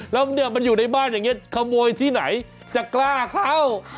แล้วเนี่ยมันอยู่ในบ้านอย่างนี้ขโมยที่ไหนจะกล้าเข้า